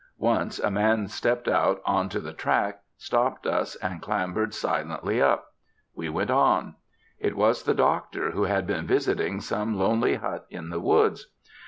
Once a man stepped out on to the track, stopped us, and clambered silently up. We went on. It was the doctor, who had been visiting some lonely hut in the woods.